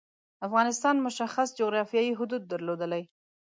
افغانستان مشخص جعرافیايی حدود درلودلي.